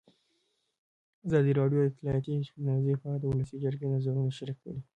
ازادي راډیو د اطلاعاتی تکنالوژي په اړه د ولسي جرګې نظرونه شریک کړي.